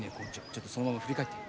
ちょっとそのまま振り返って。